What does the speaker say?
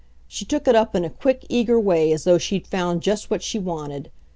She took it up in a quick, eager way, as though she'd found just what she wanted.